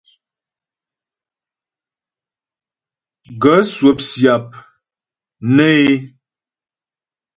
Gaə̂ swɔp syap nê é.